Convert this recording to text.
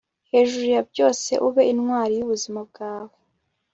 hejuru ya byose, ube intwari y'ubuzima bwawe